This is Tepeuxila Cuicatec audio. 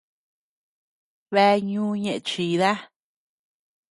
Bea ñú ñeʼe chida.